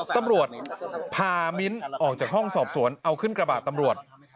ตำรวจพามิ้นออกจากห้องสอบสวนเอาขึ้นกระบะตำรวจ